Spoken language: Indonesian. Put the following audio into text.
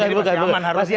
jadi masih aman harusnya